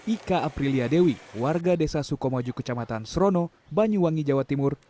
ika aprilia dewi warga desa sukomoju kecamatan serono banyuwangi jawa timur